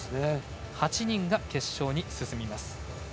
８人が、決勝に進みます。